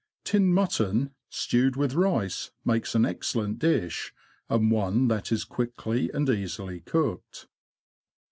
Tinned mutton, stewed with rice, makes an excellent dish, and one that is quickly and easily cooked.